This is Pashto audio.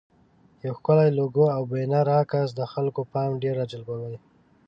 یو ښکلی لوګو او بنر عکس د خلکو پام ډېر راجلبوي.